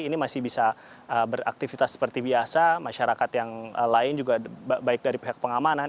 ini masih bisa beraktivitas seperti biasa masyarakat yang lain juga baik dari pihak pengamanan